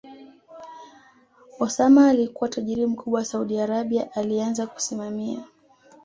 Osama alikua tajiri mkubwa Saudi Arabia alianza kusimamia